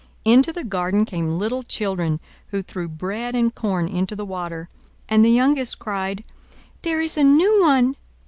Into the garden came little children, who threw bread and corn into the water; and the youngest cried, "There is a new one!"